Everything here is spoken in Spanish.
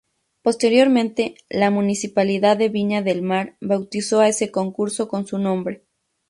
Posteriormente, la Municipalidad de Viña del Mar bautizó a ese concurso con su nombre.